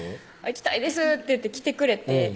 「行きたいです」って言って来てくれて